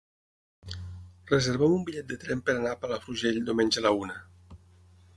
Reserva'm un bitllet de tren per anar a Palafrugell diumenge a la una.